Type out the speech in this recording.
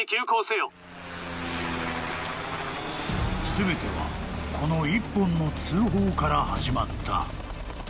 ［全てはこの１本の通報から始まった］